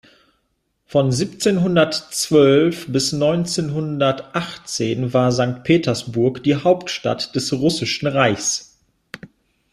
Von siebzehnhundertzwölf bis neunzehnhundertachtzehn war Sankt Petersburg die Hauptstadt des Russischen Reichs.